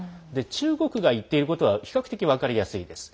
中国が言っていることは比較的分かりやすいです。